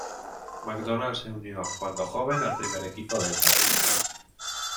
McDonald se unió cuando joven al primer equipo del Dundee.